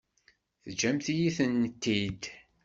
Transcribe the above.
Teǧǧamt-iyi-tent-id.